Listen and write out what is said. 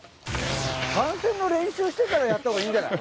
番線の練習してからやったほうがいいんじゃない？